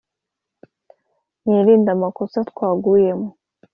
mwirinde amakosa twaguyemo